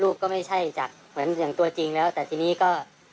รูปก็ไม่ใช่จากเหมือนตัวจริงแล้วแต่ที่นี้ก็